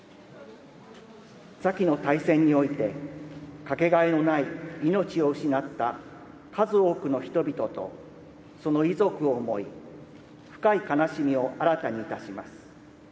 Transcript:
先の大戦において、掛けがえのない命を失った数多くの人々と、その遺族を思い、深い悲しみを新たにいたします。